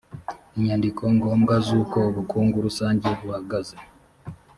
inyandiko ngombwa z’uko ubukungu rusange buhagaze